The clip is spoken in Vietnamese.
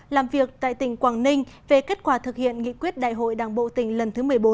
làm việc tại tỉnh quảng ninh về kết quả thực hiện nghị quyết đại hội đảng bộ tỉnh lần thứ một mươi bốn